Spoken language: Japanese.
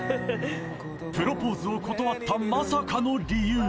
プロポーズを断ったまさかの理由